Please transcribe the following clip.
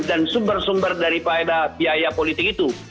dan sumber sumber daripada biaya politik itu